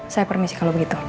saya permisi kalau begitu